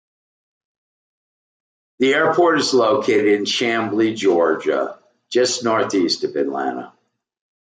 The airport is located in Chamblee, Georgia, just northeast of Atlanta.